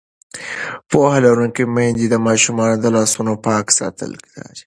پوهه لرونکې میندې د ماشومانو د لاسونو پاک ساتل څاري.